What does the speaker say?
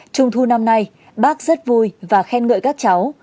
trung thu năm nay bác rất vui và khen ngợi các cháu